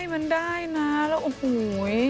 มันได้นะแล้วโอ้โห